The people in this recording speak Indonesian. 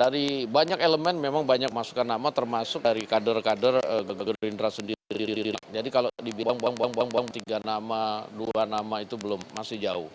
dari banyak elemen memang banyak masukan nama termasuk dari kader kader gerindra sendiri jadi kalau dibilang buang buang buang buang tiga nama dua nama itu belum masih jauh